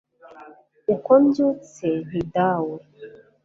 uko mbyutse, nti dawe